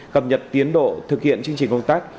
cập nhật tiến độ thực hiện chương trình công tác